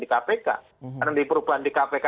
di kpk karena di perubahan di kpk